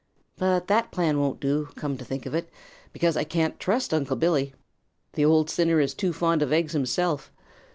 But that plan won't do, come to think of it, because I can't trust Unc' Billy. The old sinner is too fond of eggs himself.